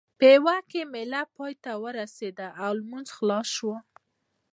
پېوه کې مېله پای ته ورسېده او لمونځ خلاص شو.